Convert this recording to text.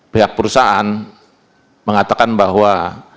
pihak perusahaan mengatakan bahwa